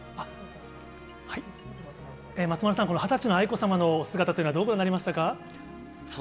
松丸さん、この２０歳の愛子さまのお姿というのは、どうご覧になりましたか。